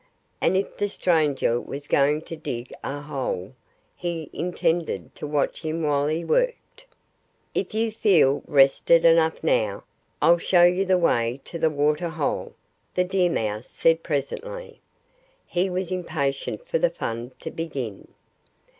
And if the stranger was going to dig a hole, he intended to watch him while he worked. "If you feel rested enough now, I'll show you the way to the water hole," the deer mouse said presently. He was impatient for the fun to begin.